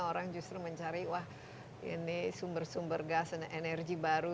orang justru mencari wah ini sumber sumber gas dan energi baru